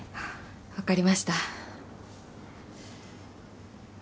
分かりました。